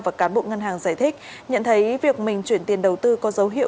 và cán bộ ngân hàng giải thích nhận thấy việc mình chuyển tiền đầu tư có dấu hiệu